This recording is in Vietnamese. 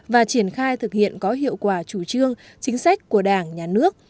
và triển khai thực hiện có hiệu quả chủ trương chính sách của đảng nhà nước